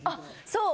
そう。